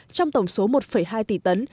trong tổng số một hai tỷ tấn